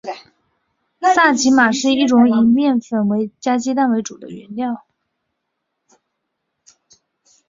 萨其马是一种以面粉加鸡蛋为主要原料的方形甜味糕点。